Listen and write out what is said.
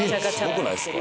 すごくないっすか？